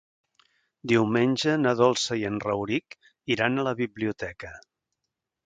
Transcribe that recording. Diumenge na Dolça i en Rauric iran a la biblioteca.